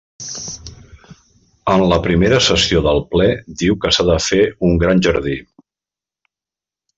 En la primera sessió del ple diu que s'ha de fer un gran jardí.